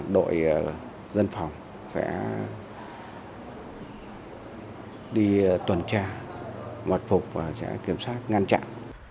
đội dân phòng sẽ đi tuần tra mật phục và sẽ kiểm soát ngăn chặn